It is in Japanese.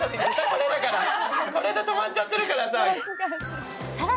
これで止まっちゃってるから。